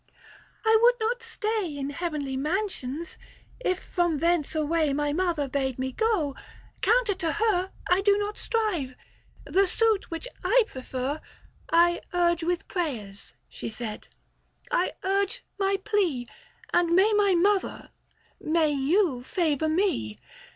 " I would not stay In heavenly mansions, if from thence away My mother bade me go ; counter to her I do not strive; the suit which I prefer 80 I urge with prayers," she said; "I urge my plea, And may my mother, may you favour me.